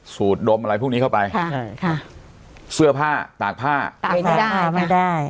สูดดมอะไรพวกนี้เข้าไปใช่ค่ะเสื้อผ้าตากผ้าตากไม่ได้ไม่ได้